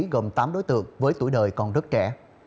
gồm tám đối tượng với tuổi đời còn rất trẻ